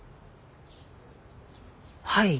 はい。